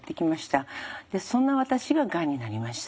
でそんな私ががんになりました。